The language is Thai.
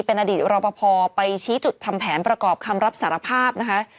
เป็นอดีตรอปภไปชี้จุดทำแผนประกอบคำรับสารภาพนะคะ